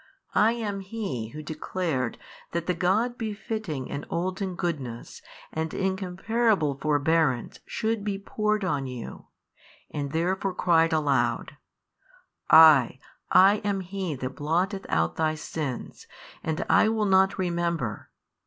I am He Who declared that the God befitting and olden goodness and incomparable forbearance should be poured on you, and therefore cried aloud, I, I am He That blotteth out thy sins and I will not remember.